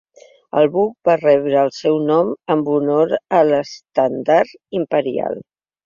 El buc va rebre el seu nom en honor a l’estendard imperial.